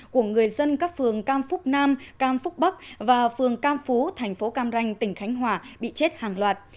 của người dân các phường cam phúc nam cam phúc bắc và phường cam phú thành phố cam ranh tỉnh khánh hòa bị chết hàng loạt